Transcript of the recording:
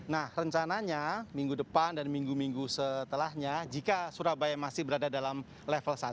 nah rencananya minggu depan dan minggu minggu setelahnya jika surabaya masih berada dalam level satu